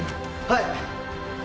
はい！